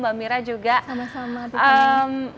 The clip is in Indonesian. mbak mira juga sama sama diem